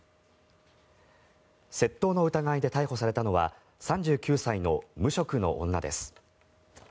窃盗の疑いで逮捕されたのは３９歳の無職の女です。